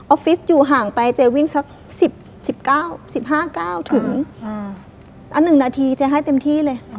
ออฟฟิศอยู่ห่างไปจะวิ่งสัก๑๐๑๕เก้าถึงอ่ะ๑นาทีจะให้เต็มที่เลย